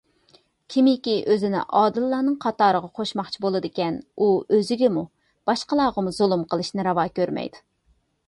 كىمكى ئۆزىنى ئادىللارنىڭ قاتارىغا قوشماقچى بولىدىكەن، ئۇ ئۆزىگىمۇ، باشقىلارغىمۇ زۇلۇم قىلىشنى راۋا كۆرمەيدۇ.